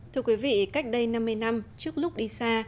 thưa quý vị cách đây năm mươi năm trước lúc đi xa